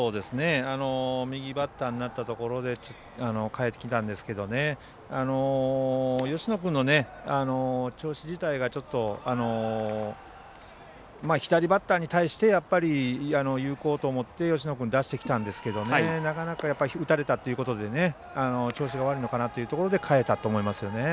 右バッターになったところで代えてきたんですけど芳野君の調子自体がちょっと左バッターに対して有効と思って芳野君を出してきたんですがなかなか、打たれたということで調子が悪いのかなというところで代えたんだと思います。